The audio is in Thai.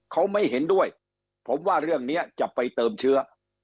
เขาไม่เห็นด้วยผมว่าเรื่องนี้จะไปเติมเชื้อ